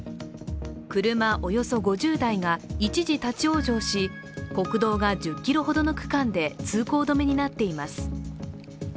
車およそ５０台が一時、立往生し、国道が１０ｋｍほどの区間で通行止めになっています。